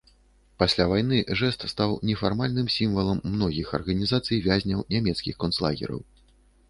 Пасля вайны жэст стаў нефармальным сімвалам многіх арганізацый вязняў нямецкіх канцлагераў.